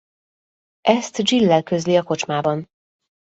Ezt Gill-lel közli a kocsmában.